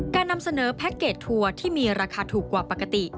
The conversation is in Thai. นำเสนอแพ็คเกจทัวร์ที่มีราคาถูกกว่าปกติ